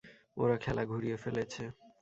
ওরা খেলা ঘুরিয়ে ফেলেছে।